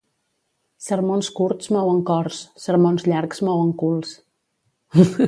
Sermons curts mouen cors, sermons llargs mouen culs.